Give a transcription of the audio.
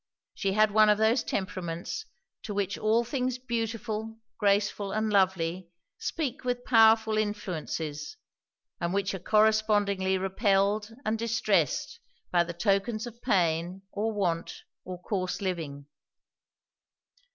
She had one of those temperaments to which all things beautiful, graceful, and lovely, speak with powerful influences, and which are correspondingly repelled and distressed by the tokens of pain or want or coarse living.